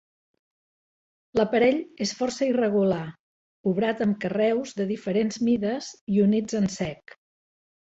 L'aparell és força irregular, obrat amb carreus de diferents mides i units en sec.